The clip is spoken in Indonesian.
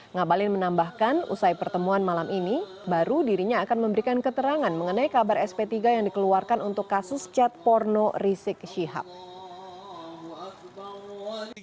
ngabalin menambahkan usai pertemuan malam ini baru dirinya akan memberikan keterangan mengenai kabar sp tiga yang dikeluarkan untuk kasus cat porno rizik syihab